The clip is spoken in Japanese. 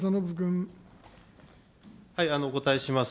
お答えします。